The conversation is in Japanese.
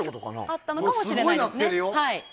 あったかもしれないですね。